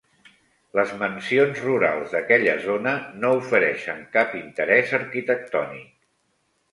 Les mansions rurals d'aquella zona no ofereixen cap interès arquitectònic